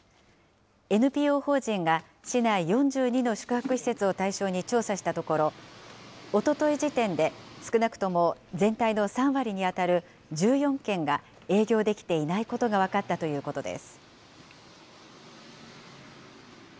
ＮＰＯ法人が、市内４２の宿泊施設を対象に調査したところ、おととい時点で少なくとも全体の３割に当たる１４軒が営業できていないことが分かったということです。